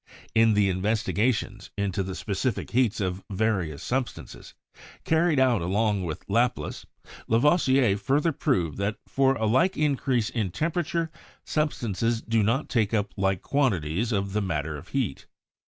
In the investigations into the specific heats of various substances, carried out along with Laplace, Lavoisier further proved that, for a like increase in temperature, substances do mot take up like quantities of the matter of heat.